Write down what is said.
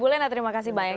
bule nda terima kasih banyak